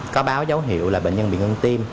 có báo dấu hiệu là bệnh nhân bị ngưng tim